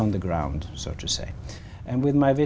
nếu chúng ta nghĩ về